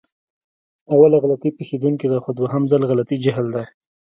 اوله غلطي پېښدونکې ده، خو دوهم ځل غلطي جهل دی.